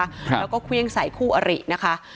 แล้วก็เครี้ยงสายคู่อะหรี่นะคะ